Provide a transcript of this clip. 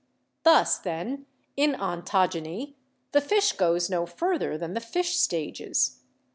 'Thus, then, in ontogeny the fish goes no further than the fish stages.